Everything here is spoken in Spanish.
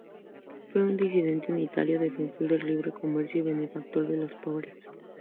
Fue un disidente, unitario, defensor del libre comercio, y benefactor de los pobres.